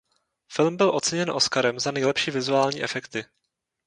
Film byl oceněn Oscarem za nejlepší vizuální efekty.